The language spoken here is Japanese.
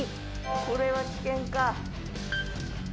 これは危険か。